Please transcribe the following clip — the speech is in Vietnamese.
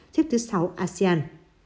xếp thứ sáu asean